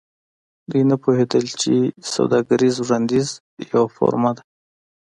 دوی نه پوهیدل چې سوداګریز وړاندیز یوه فورمه ده